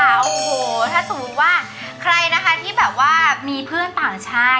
โอ้โหถ้าสมมุติว่าใครนะคะที่แบบว่ามีเพื่อนต่างชาติ